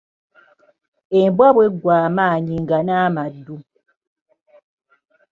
Embwa bw’eggwa amaanyi nga n’amaddu.